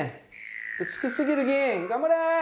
美しすぎる議員、頑張れ！